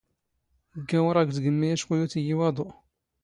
ⴳⴳⴰⵡⵔⵖ ⴳ ⵜⴳⵎⵎⵉ ⴰⵛⴽⵓ ⵢⵓⵜ ⵉⵢⵉ ⵡⴰⴹⵓ.